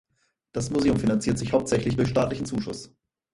Das Museum finanziert sich hauptsächlich durch staatlichen Zuschuss.